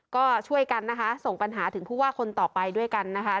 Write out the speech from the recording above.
ก็ช่วยกันนะคะส่งปัญหาถึงผู้ว่าคนต่อไปด้วยกันนะคะ